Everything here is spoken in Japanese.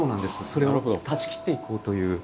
それを断ち切っていこうという。